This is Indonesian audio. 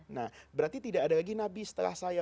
nah berarti tidak ada lagi nabi setelah saya